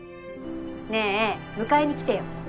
ねえ迎えに来てよ。